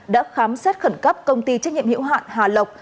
đã khám xét khẩn cấp công ty trách nhiệm hiệu hạn hà lộc